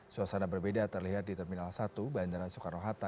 suasana berbeda terlihat di terminal satu bandara soekarno hatta